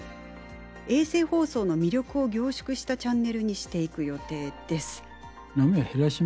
衛星放送の魅力を凝縮したチャンネルにしていく予定です。